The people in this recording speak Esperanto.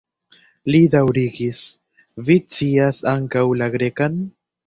Li daŭrigis: "Vi scias ankaŭ la Grekan?"